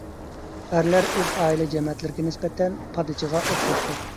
ئەرلەر ئۆز ئائىلە-جەمەتلىرىگە نىسبەتەن پادىچىغا ئوخشاشتۇر.